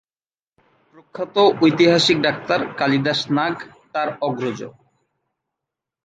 প্রখ্যাত ঐতিহাসিক ডাক্তার কালিদাস নাগ তার অগ্রজ।